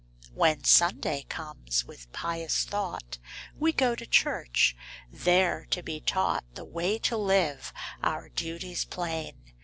'" Copyrighted, 18U7 c^^aHEN Sunday comes, with pious thought We go to church, there to be taught The way to live, our duties plain.